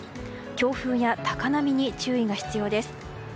強風や高波に注意が必要です。